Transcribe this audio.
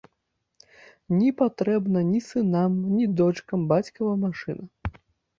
Не патрэбна ні сынам ні дочкам бацькава машына.